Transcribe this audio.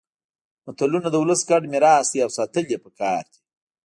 متلونه د ولس ګډ میراث دي او ساتل يې پکار دي